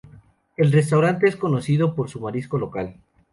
El restaurante es conocido por su marisco local.